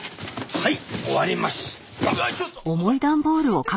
はい？